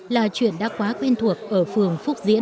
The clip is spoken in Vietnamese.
là chuyện đã quá quen thuộc ở phường phúc diễn